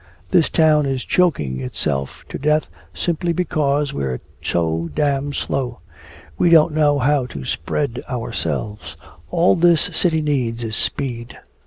This town is choking itself to death simply because we're so damn slow! We don't know how to spread ourselves! All this city needs is speed!"